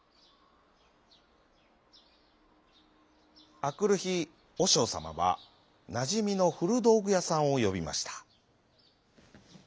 あくるひおしょうさまはなじみのふるどうぐやさんをよびました。